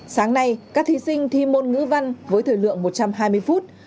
sáng nay các thí sinh thi môn ngữ văn với thời lượng một trăm hai mươi phút